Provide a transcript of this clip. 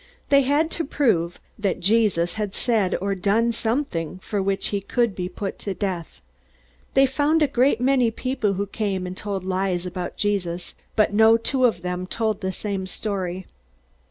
They had to prove that Jesus had said or done something for which he could be put to death. They found a great many people who came and told lies about Jesus, but no two of them told the same story.